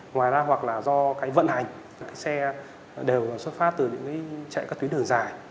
ngoài ra hoặc là do cái vận hành cái xe đều xuất phát từ những cái chạy các tuyến đường dài